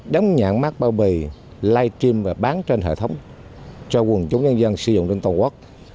đóng nhãn mát bao bì live stream và bán trên hệ thống cho quần chúng nhân dân sử dụng trên toàn quốc